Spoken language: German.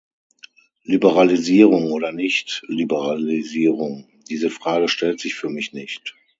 Liberalisierung oder nicht Liberalisierung, diese Frage stellt sich für mich nicht.